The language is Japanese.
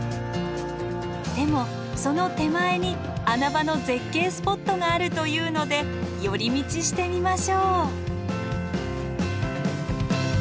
でもその手前に穴場の絶景スポットがあるというので寄り道してみましょう。